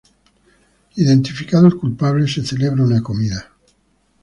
Identificado el culpable, se celebra una comida.